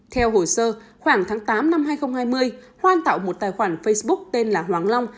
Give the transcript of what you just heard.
theo hồ sơ khoảng tháng tám năm hai nghìn hai mươi hoan tạo một tài khoản facebook tên là hoàng long